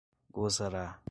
gozará